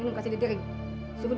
ibu nggak mau tahu dong